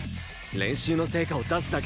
練習の成果を出すだけだ。